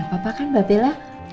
gak apa apa kan mbak bella